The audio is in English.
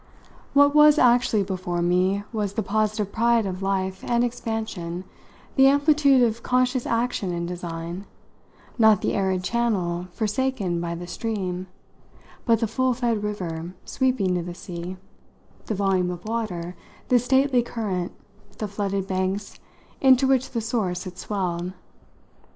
What was actually before me was the positive pride of life and expansion, the amplitude of conscious action and design; not the arid channel forsaken by the stream, but the full fed river sweeping to the sea, the volume of water, the stately current, the flooded banks into which the source had swelled.